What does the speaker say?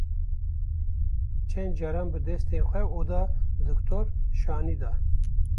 Çend caran bi destên xwe oda diktor şanî da.